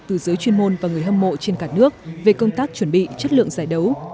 từ giới chuyên môn và người hâm mộ trên cả nước về công tác chuẩn bị chất lượng giải đấu